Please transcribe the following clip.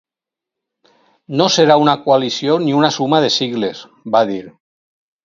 No serà una coalició ni una suma de sigles, va dir.